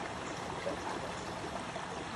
食菜的